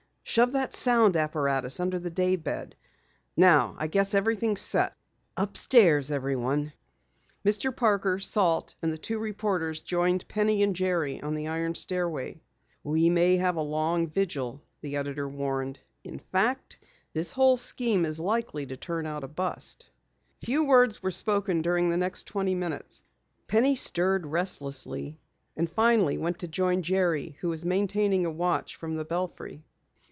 Shove that sound apparatus under the daybed. Now I guess everything's set. Upstairs, everyone." Mr. Parker, Salt, and the two reporters, joined Penny and Jerry on the iron stairway. "We may have a long vigil," the editor warned. "In fact, this whole scheme is likely to turn out a bust." Few words were spoken during the next twenty minutes. Penny stirred restlessly, and finally went to join Jerry who was maintaining a watch from the belfry.